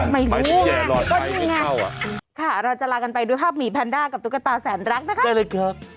ไม่รู้ไงก็นี่ไงค่ะเราจะลากันไปด้วยภาพหมีแพนด้ากับตุ๊กตาแสนรักนะคะได้เลยครับ